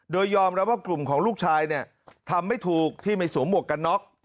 โดยยอมรับว่ากลุ่มของลูกชายเนี่ยทำไม่ถูกที่ไม่สวมหมวกกันน็อก